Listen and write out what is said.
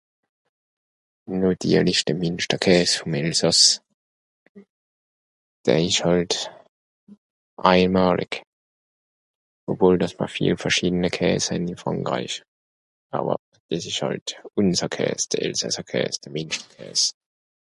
nàtirlich de Mìnsterkaas vòm Elsàss de eisch àls einmalig obwohl dàss mr viel verschiedene Käase hen ìn Frankreich àwer des esch àlt ùnser Käas de elsasser Käas de Mìnsterkäas